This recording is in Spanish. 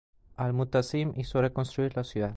Al-Mutasim hizo reconstruir la ciudad.